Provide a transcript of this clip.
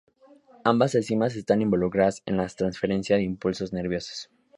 Ambas enzimas están involucradas en la transferencia de impulsos nerviosos.